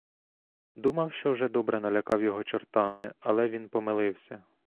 Думав, що вже добре налякав його чортами, але він помилився.